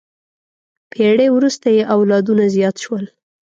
پېړۍ وروسته یې اولادونه زیات شول.